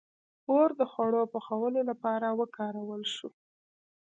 • اور د خوړو پخولو لپاره وکارول شو.